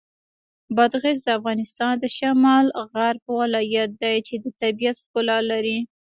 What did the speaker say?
بادغیس د افغانستان د شمال غرب ولایت دی چې د طبیعت ښکلا لري.